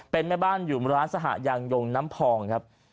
เป็นแม่บ้านอยู่ร้านสหยางยงน้ำพองครับ